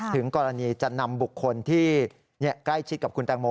ถึงกรณีจะนำบุคคลที่ใกล้ชิดกับคุณแตงโม